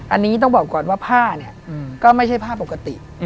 อันนี้ต้องบอกก่อนว่าผ้าเนี่ยก็ไม่ใช่ผ้าปกติ